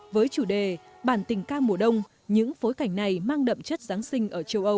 với chủ đề bản tình ca mùa đông những phối cảnh này mang đậm chất giáng sinh ở châu âu